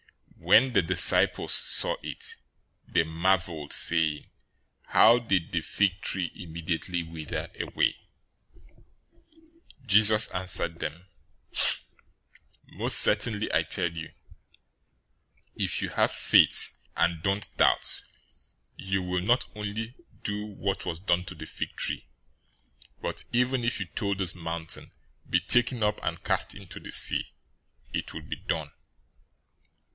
021:020 When the disciples saw it, they marveled, saying, "How did the fig tree immediately wither away?" 021:021 Jesus answered them, "Most certainly I tell you, if you have faith, and don't doubt, you will not only do what was done to the fig tree, but even if you told this mountain, 'Be taken up and cast into the sea,' it would be done.